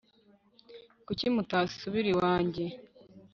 kuki mutasubira iwanjye